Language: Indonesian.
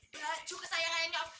baju kesayangan nyong